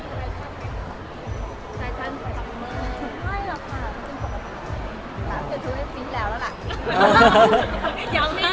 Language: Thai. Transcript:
ใช่นี่จะออกกำลังกายแล้วเดือนนี้ขอตินต่อเดือนหน้าลดก็อัดพอมี